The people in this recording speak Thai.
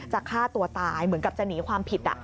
ฆ่าตัวตายเหมือนกับจะหนีความผิด